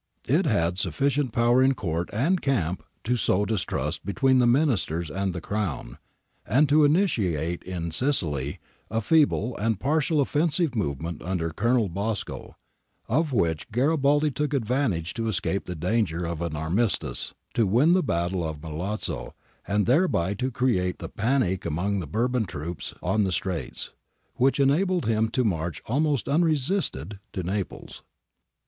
It had sufficient power in Court and camp to sow distrust between the Ministers and the Crown, and to initiate in Sicily a feeble and partial offensive movement under Colonel Bosco, of which Garibaldi took advantage to escape the danger of an armistice, to win the battle of Milazzo, and thereby to create the panic among the Bourbon troops on the Straits which enabled him to march almost unresisted to Naples.